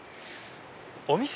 お店？